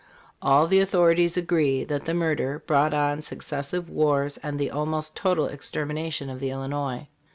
All the authorities agree that the murder " brought on successive wars, and the almost total extermination of the Illinois."